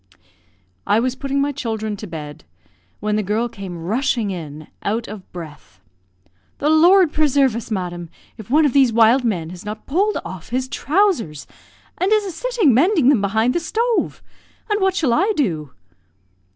I was putting my children to bed, when the girl came rushing in, out of breath. "The Lord preserve us, madam, if one of these wild men has not pulled off his trousers, and is a sitting, mending them behind the stove! and what shall I do?"